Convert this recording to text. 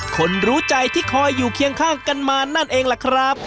คนรู้ใจที่คอยอยู่เคียงข้างกันมานั่นเองล่ะครับ